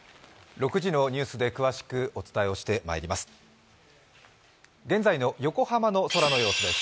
６時のニュースで詳しくお伝えをしてまいります。